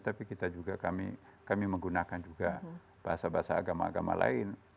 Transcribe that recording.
tapi kita juga kami menggunakan juga bahasa bahasa agama agama lain